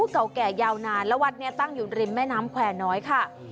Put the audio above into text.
เก่าแก่ยาวนานและวัดนี้ตั้งอยู่ริมแม่น้ำแควร์น้อยค่ะ